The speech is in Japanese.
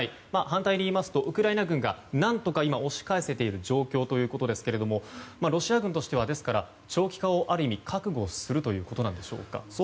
反対に言いますとウクライナ軍が何とか押し返している状況ということですけどもロシア軍としては長期化をある意味覚悟するということでしょうか。